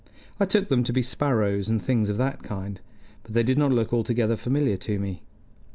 I took them to be sparrows and things of that kind, but they did not look altogether familiar to me.